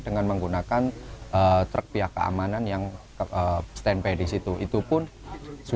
dengan menggunakan truk pihak keamanan yang stand by di situ